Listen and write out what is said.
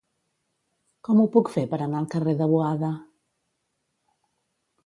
Com ho puc fer per anar al carrer de Boada?